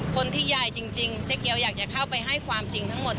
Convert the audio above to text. คนที่ใหญ่จริงเจ๊เกียวอยากจะเข้าไปให้ความจริงทั้งหมด